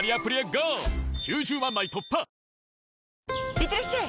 いってらっしゃい！